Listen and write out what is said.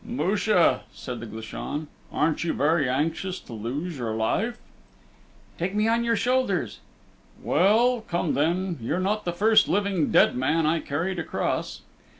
"Musha," said the Glashan, "aren't you very anxious to lose your life?" "Take me on your shoulders." "Well, come then. You're not the first living dead man I carried across."